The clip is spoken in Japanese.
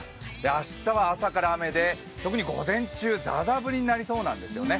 明日は朝から雨で、特に午前中ざーざー降りになりそうなんですよね。